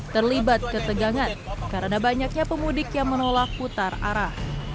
terlibat ketegangan karena banyaknya pemudik yang menolak putar arah